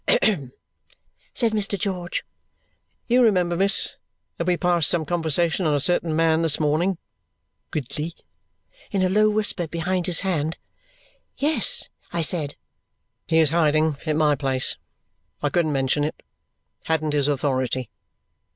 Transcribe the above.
"Hem!" said Mr. George. "You remember, miss, that we passed some conversation on a certain man this morning? Gridley," in a low whisper behind his hand. "Yes," said I. "He is hiding at my place. I couldn't mention it. Hadn't his authority.